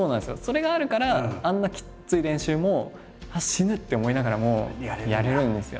それがあるからあんなきつい練習も死ぬ！って思いながらもやれるんですよね。